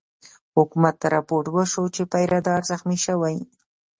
حکومت ته رپوټ وشو چې پیره دار زخمي شوی.